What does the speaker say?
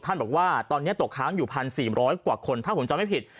บอกว่าตอนนี้ตกค้างอยู่๑๔๐๐กว่าคนถ้าผมจำไม่ผิด